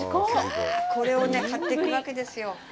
これをね、買っていくわけですよ。